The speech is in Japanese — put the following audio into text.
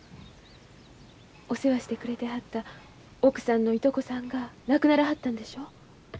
お世話してくれてはった奥さんのいとこさんが亡くならはったんでしょう？